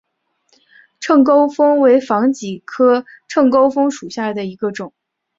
秤钩风为防己科秤钩风属下的一个种。